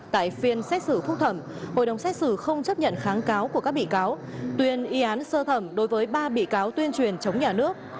tại phiên xét xử phúc thẩm hội đồng xét xử không chấp nhận kháng cáo của các bị cáo tuyên y án sơ thẩm đối với ba bị cáo tuyên truyền chống nhà nước